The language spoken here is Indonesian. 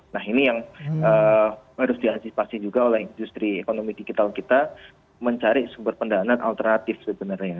nah ini yang harus diantisipasi juga oleh industri ekonomi digital kita mencari sumber pendanaan alternatif sebenarnya